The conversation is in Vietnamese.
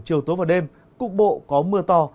chiều tối và đêm cục bộ có mưa to